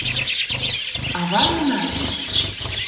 Ава нунат?..